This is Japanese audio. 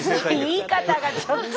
言い方がちょっと。